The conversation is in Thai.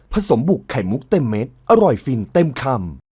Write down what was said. สมบุกไข่มุกเต็มเม็ดอร่อยฟินเต็มคำ